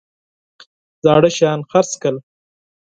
زاړه شیان خرڅ کړل.